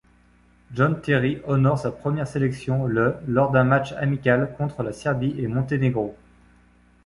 John Terry honore sa première sélection le lors d'un match amical contre la Serbie-et-Monténégro.